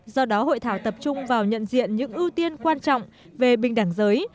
do đó hội thảo tập trung vào nhận diện những ưu tiên quan trọng về binh đảng giới